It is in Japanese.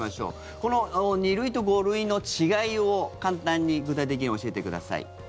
この２類と５類の違いを簡単に具体的に教えてください。